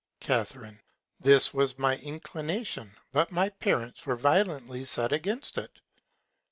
Ca. This was my Inclination; but my Parents were violently set against it.